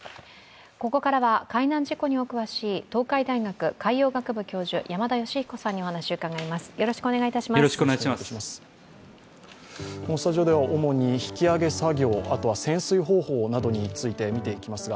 ここからは海難事故にお詳しい東海大学海洋学部教授、山田吉彦さんにお話を伺います。